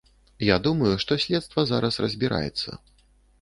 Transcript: Я думаю, што следства зараз разбіраецца.